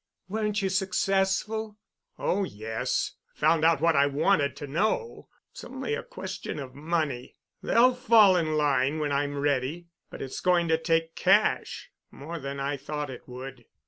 "Weren't you successful?" "Oh, yes, I found out what I wanted to know. It's only a question of money. They'll fall in line when I'm ready. But it's going to take cash—more than I thought it would."